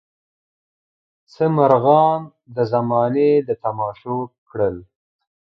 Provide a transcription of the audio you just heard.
څه مرغان زمانې د تماشو کړل.